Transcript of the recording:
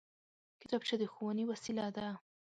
کتابچه د ښوونې وسېله ده